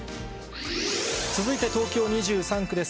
続いて東京２３区です。